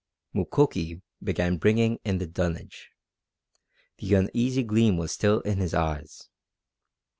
Mukoki began bringing in the dunnage. The uneasy gleam was still in his eyes.